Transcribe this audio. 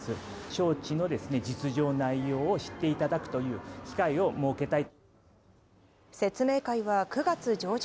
招致の実情、内容を知っていただくという機会を設けたい。